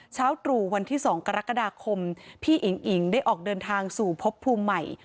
ตรู่วันที่๒กรกฎาคมพี่อิ๋งอิ๋งได้ออกเดินทางสู่พบภูมิใหม่